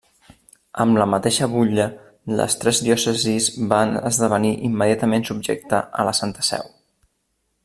Amb la mateixa butlla les tres diòcesis va esdevenir immediatament subjecta a la Santa Seu.